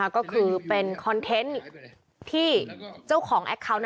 ก็คือเป็นคอนเทนต์ที่เจ้าของแอคเคาน์